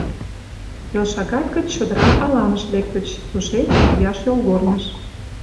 Пел шагат гыч чодыра аланыш лектыч, тушеч — вияш йолгорныш.